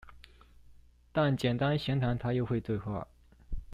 但簡單閒談，他又會對話